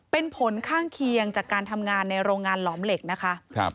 เป็นผลข้างเคียงจากการทำงานในโรงงานหลอมเหล็กนะคะ